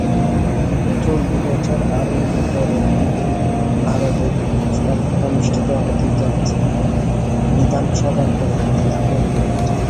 চলতি বছর আরও পরের দিকে ভারতে অনুষ্ঠিত হতে যাচ্ছে বিধানসভার পরবর্তী ধাপের নির্বাচন।